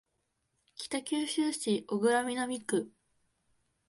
北九州市小倉南区